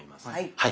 はい。